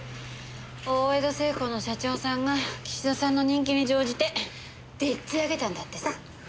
大江戸製鋼の社長さんが岸田さんの人気に乗じてでっち上げたんだってさ。